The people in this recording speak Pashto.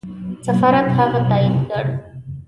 سفارت هغه تایید کړ.